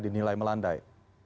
ada nilai melandai